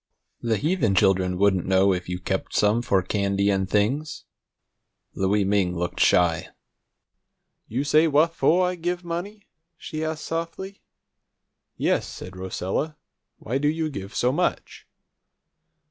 The heathen children wouldn't know if you kept some for candy and things." Louie Ming looked shy. "You say wha' fo' I give money?" she asked softly. "Yes," said Rosella. "Why do you give so much?"